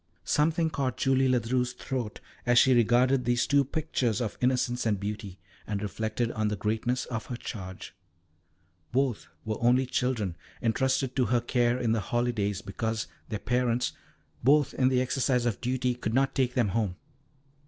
Something caught Julie Ledru's throat as she regarded these two pictures of innocence and beauty, and reflected on the greatness of her charge. Both were only children, entrusted to her care in the holidays, because their parents, both in the exercise of duty, could not take them home.